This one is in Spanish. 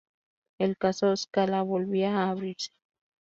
El Caso Scala volvía a abrirse.